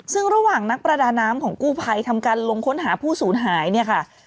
ซึ่งระหว่างนักประดาน้ำของกู้ภัยทำการลงค้นหาผู้สูญหายเนี่ยค่ะ